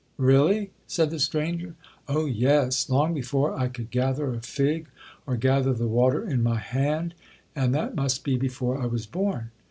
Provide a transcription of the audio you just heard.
'—'Really?' said the stranger. 'Oh yes!—long before I could gather a fig, or gather the water in my hand, and that must be before I was born.